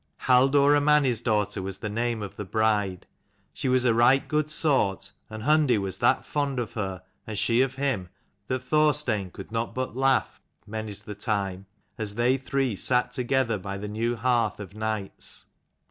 Halldora Mani's daughter was the name of the bride. She was a right good sort ; and Hundi was that fond of her, and she of him, that Thorstein could not but laugh, many's the time, as they three sat together by the new hearth of nights.